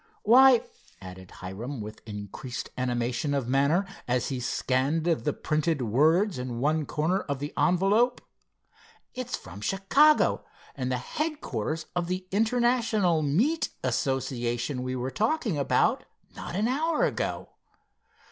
"Why," added Hiram with increased animation of manner, as he scanned the printed words in one corner of the envelope, "it's from Chicago, and the headquarters of the International Meet Association we were talking about not an hour ago.